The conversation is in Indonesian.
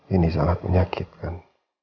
ini sangat menyakitkan